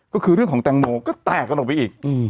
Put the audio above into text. ก็คือเรื่องของแตงโมก็แตกกันออกไปอีก